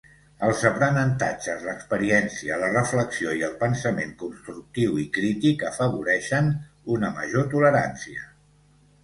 Els aprenentatges, l'experiència, la reflexió i el pensament constructiu i crític afavoreixen una major tolerància.